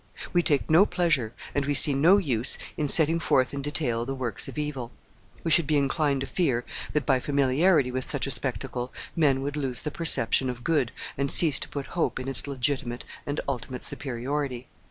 We take no pleasure, and we see no use, in setting forth in detail the works of evil; we should be inclined to fear that, by familiarity with such a spectacle, men would lose the perception of good, and cease to put hope in its legitimate and ultimate superiority.